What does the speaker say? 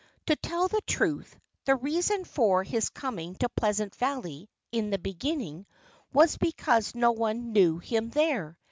To tell the truth, the reason for his coming to Pleasant Valley, in the beginning, was because no one knew him there.